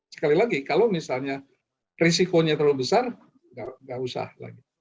sekali lagi kalau misalnya risikonya terlalu besar nggak usah lagi